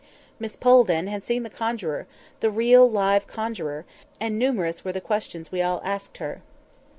Miss Pole, then, had seen the conjuror—the real, live conjuror! and numerous were the questions we all asked her.